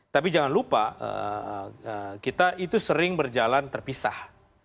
tapi jangan lupa kita itu sering berjalan terpisah